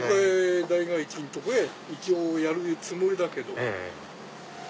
代替地のとこへ一応やるつもりだけど。